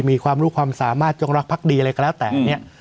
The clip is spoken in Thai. มีความรู้ความสามารถจงรักพักดีอะไรก็แล้วแต่เนี่ย